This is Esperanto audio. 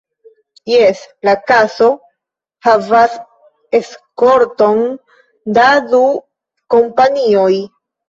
Jes: la kaso havas eskorton da du kompanioj.